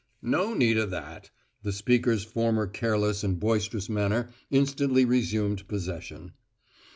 "No need of that!" The speaker's former careless and boisterous manner instantly resumed possession.